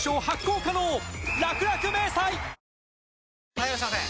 ・はいいらっしゃいませ！